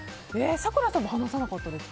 咲楽さんも話さなかったですか？